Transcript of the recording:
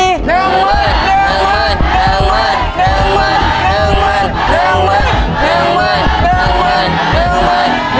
แดงมันแล้วกมัน